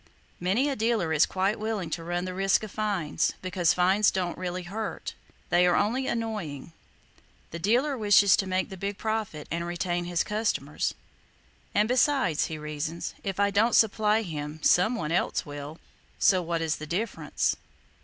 Many a dealer is quite willing to run the risk of fines, because fines don't really hurt; they are only annoying. The dealer wishes to make the big profit, and retain his customers; "and besides," he reasons, "if I don't supply him some one else will; so what is the difference?"